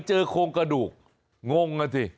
เจอโครงกระดูกงงอ่ะสิ